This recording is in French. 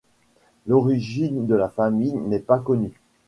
L'origine de la famille n'est pas connue.